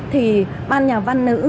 thì ban nhà văn nữ